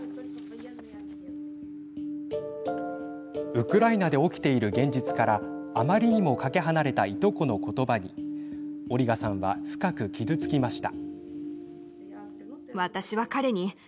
ウクライナで起きている現実からあまりにもかけ離れたいとこの言葉にオリガさんは深く傷つきました。